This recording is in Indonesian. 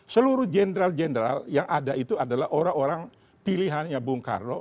seluruh jenderal jenderal yang ada itu adalah orang orang pilihannya bung karno